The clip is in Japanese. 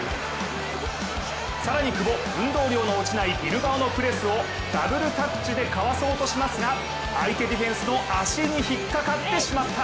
更に久保、運動量の落ちないビルバオのプレスをダブルタッチでかわそうとしますが相手ディフェンスの足に引っ掛かってしまった。